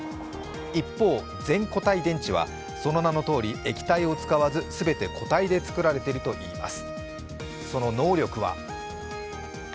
一方、全固体電池はその名のとおり、液体を使わず全て固体で作られているといいます。